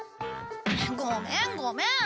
ごめんごめん。